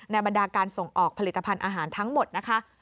บรรดาการส่งออกผลิตภัณฑ์อาหารทั้งหมดนะคะ